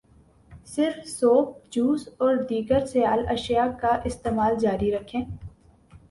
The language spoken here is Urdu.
صرف سوپ، جوس، اور دیگر سیال اشیاء کا استعمال جاری رکھیں۔